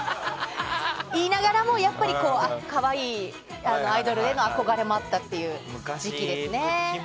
言いながらもやっぱり可愛いアイドルへの憧れもあったっていう時期ですね。